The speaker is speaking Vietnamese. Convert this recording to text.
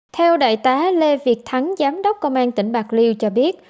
theo đại tá lê việt thắng giám đốc công an tỉnh bạc liêu cho biết